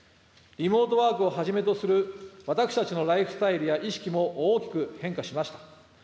リモートワークをはじめとする、私たちのライフスタイルや意識も大きく変化しました。